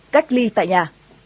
cách ly tại nhà